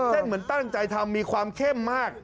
เหมือนตั้งใจทำมีความเข้มมาก